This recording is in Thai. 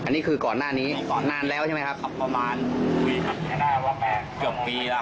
อันนี้คือก่อนหน้านี้นานแล้วใช่ไหมครับประมาณเกือบปีแล้วครับ